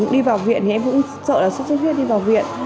đi vào viện thì em cũng sợ là sốt xuất huyết đi vào viện